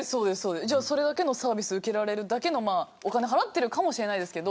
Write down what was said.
それだけのサービスを受けられるお金を払っているかもしれないですけど。